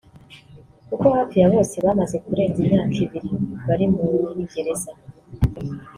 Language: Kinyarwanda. kuko hafi ya bose bamaze kurenza imyaka ibiri bari muri gereza